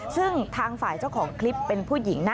ซึ่งทางฝ่ายเจ้าของคลิปเป็นผู้หญิงนะ